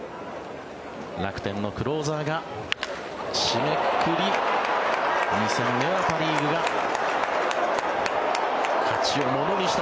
楽天のクローザーが締めくくり２戦目はパ・リーグが勝ちをものにした。